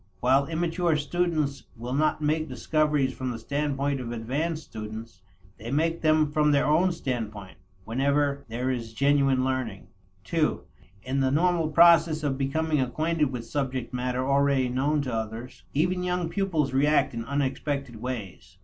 While immature students will not make discoveries from the standpoint of advanced students, they make them from their own standpoint, whenever there is genuine learning. (ii) In the normal process of becoming acquainted with subject matter already known to others, even young pupils react in unexpected ways.